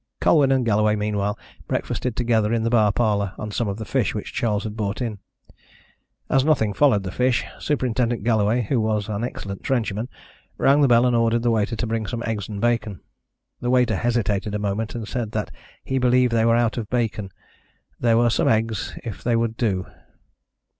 Colwyn and Galloway meanwhile breakfasted together in the bar parlour, on some of the fish which Charles had brought in. As nothing followed the fish Superintendent Galloway, who was an excellent trencherman, rang the bell and ordered the waiter to bring some eggs and bacon. The waiter hesitated a moment, and then said that he believed they were out of bacon. There were some eggs, if they would do.